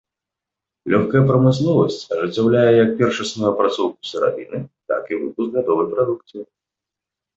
Лёгкая прамысловасць ажыццяўляе як першасную апрацоўку сыравіны, так і выпуск гатовай прадукцыі.